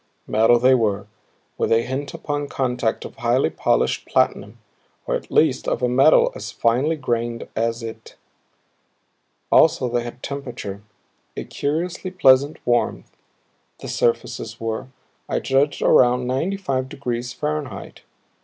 Metal they were, with a hint upon contact of highly polished platinum, or at the least of a metal as finely grained as it. Also they had temperature, a curiously pleasant warmth the surfaces were, I judged, around ninety five degrees Fahrenheit.